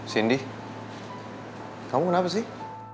cindy kamu kenapa sih